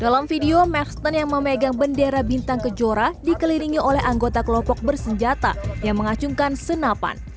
dalam video maxten yang memegang bendera bintang kejora dikelilingi oleh anggota kelompok bersenjata yang mengacungkan senapan